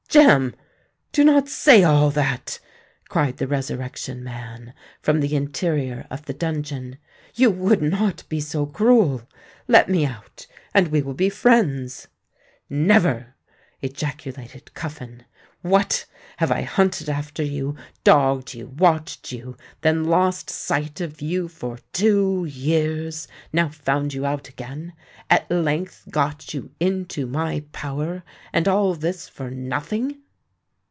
"Jem, do not say all that!" cried the Resurrection Man, from the interior of the dungeon. "You would not be so cruel? Let me out—and we will be friends." "Never!" ejaculated Cuffin. "What! have I hunted after you—dogged you—watched you—then lost sight of you for two years—now found you out again—at length got you into my power—and all this for nothing?"